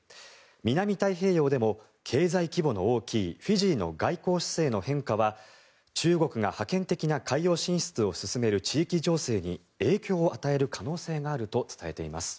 南太平洋でも経済規模の大きいフィジーの外交姿勢の変化は中国が覇権的な海洋進出を進める地域情勢に影響を与える可能性があると伝えています。